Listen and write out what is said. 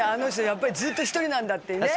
やっぱりずっと一人なんだってね